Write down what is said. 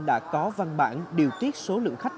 đã có văn bản điều tiết số lượng khách